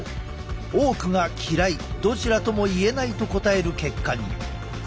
多くが嫌いどちらともいえないと答える結果に。